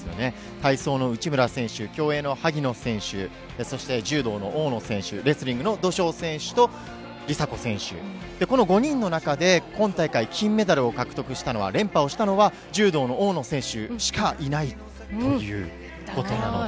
体操の内村選手、競泳の萩野選手、そして柔道の大野選手、レスリングの土性選手と梨紗子選手、この５人の中で、今大会金メダルを獲得したのは、連覇をしたのは柔道の大野選手しかいないということなので。